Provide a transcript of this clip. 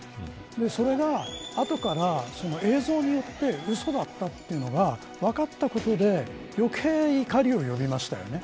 それが後から映像によってうそだったというのが分かったことで余計に怒りを呼びましたよね。